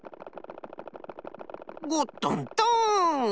ゴットントーン！